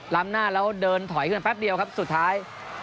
หน้าแล้วเดินถอยขึ้นแป๊บเดียวครับสุดท้าย